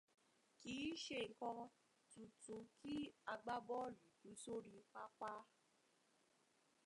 Kì í ṣe nǹkan tuntun kí agbábọ́ọ̀lù kú sórí pápá.